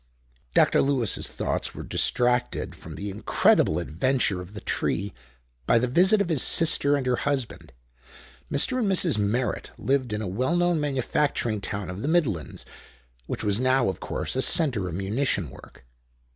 Dr. Lewis's thoughts were distracted from the incredible adventure of the tree by the visit of his sister and her husband. Mr. and Mrs. Merritt lived in a well known manufacturing town of the Midlands, which was now, of course, a center of munition work.